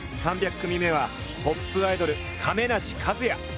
３００組目はトップアイドル、亀梨和也。